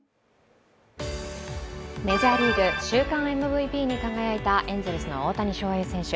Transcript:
メジャーリーグ、週間ＭＶＰに輝いたエンゼルスの大谷翔平選手。